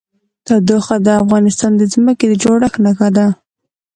تودوخه د افغانستان د ځمکې د جوړښت نښه ده.